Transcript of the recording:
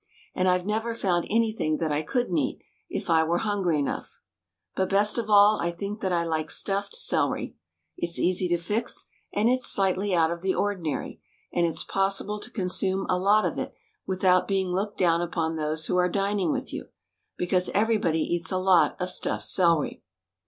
And I've never found anything that I couldn't eat, if I were hungry enough ! But best of all I think that I like stuffed celery. It's easy to fix, and it's slightly out of the ordinary, and it's possible to consume a lot of it without being looked down upon by those who are dining with you. Because every body eats a lot of stuffed celery.